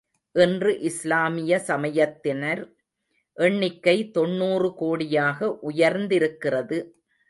இன்று இஸ்லாமிய சமயத்தினர் எண்ணிக்கை தொண்ணுறு கோடியாக உயர்ந்திருக்கிறது.